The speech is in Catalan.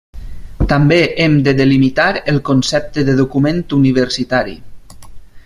També hem de delimitar el concepte de document universitari.